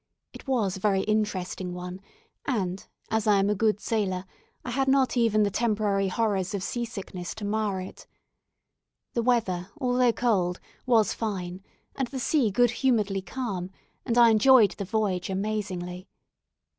It was a very interesting one, and, as I am a good sailor, I had not even the temporary horrors of sea sickness to mar it. The weather, although cold, was fine, and the sea good humouredly calm, and I enjoyed the voyage amazingly.